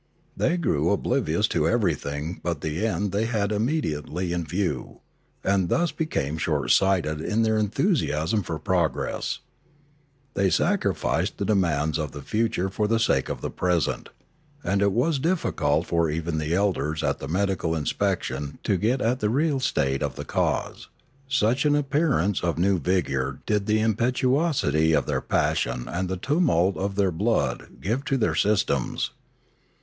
They grew oblivious to everything but the end they had immediately in view, and thus became short sighted in their enthusiasm for progress; they sacrificed the demands of the future for the sake of the present, and it was difficult for even the elders at the medical inspection to get at the real state of the case, such an appearance of new vigour did the impetuosity of their passion and the tumult in their blood give to their sys tems.